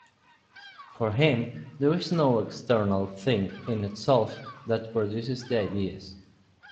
For him, there is no external thing-in-itself that produces the ideas.